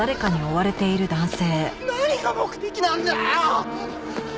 何が目的なんだよ？